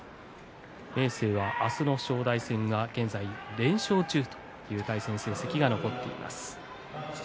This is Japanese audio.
明生は明日の正代戦、現在連勝中という対戦成績が残っています。